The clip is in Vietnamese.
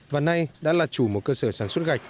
và nay đã là chủ một cơ sở sản xuất gạch